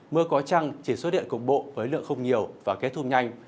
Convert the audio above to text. mưa có trăng chỉ xuất hiện cục bộ với lượng không nhiều và kết thúc nhanh